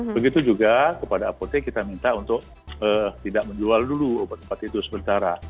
begitu juga kepada apotek kita minta untuk tidak menjual dulu obat obat itu sementara